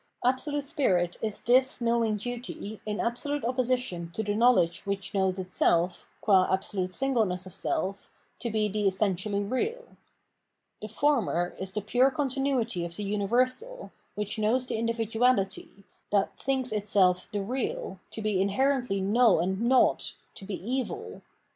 Absolute Spirit is this knowing duty in absolute opposition to the knowledge which knows itself, qua absolute singleness of self, to be the essentially real. The former is the pure continuity of the universal, which knows the individuality, that thinks itself the real, to be inherently null and naught, to be evil.